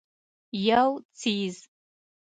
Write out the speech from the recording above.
یو څیز